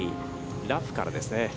ラフからですね。